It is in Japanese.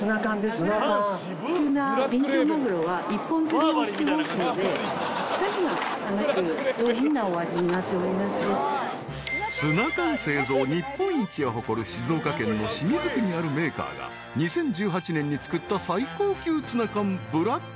［ツナ缶製造日本一を誇る静岡県の清水区にあるメーカーが２０１８年に作った］